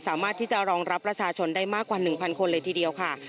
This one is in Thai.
สามารถที่จะรองรับประชาชนได้มากกว่า๑๐๐คนเลยทีเดียวค่ะ